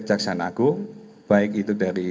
jaksa agung baik itu dari